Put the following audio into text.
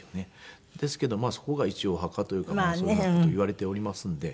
ですけどまあそこが一応お墓というかそういうふうな事いわれておりますんで。